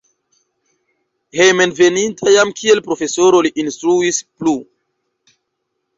Hejmenveninta jam kiel profesoro li instruis plu.